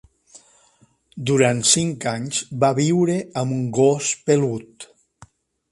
Durant cinc anys va viure amb un gos pelut.